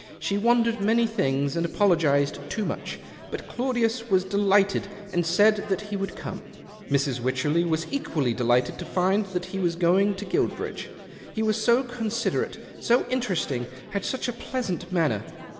She wondered many things, and apologized too much ; but Claudius was delighted and said that he would come. Mrs. Wycherley was equally delighted to find that he was going to Guilbridge. He was so considerate, so interesting, had such a pleasant manner.